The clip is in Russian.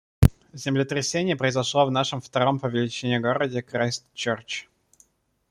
Землетрясение произошло в нашем втором по величине городе Крайстчёрч.